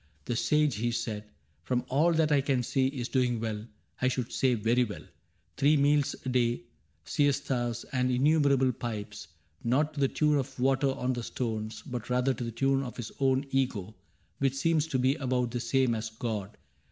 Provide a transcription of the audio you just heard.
" The Sage," he said, " From all that I can see, is doing well — I should say very well. Three meals a day. Siestas, and innumerable pipes — Not to the tune of water on the stones. But rather to the tune of his own Ego, Which seems to be about the same as God.